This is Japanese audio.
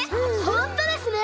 ほんとですね！